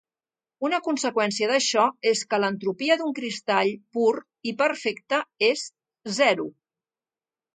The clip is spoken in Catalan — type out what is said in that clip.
Una conseqüència d'això és que l'entropia d'un cristall pur i perfecte és zero.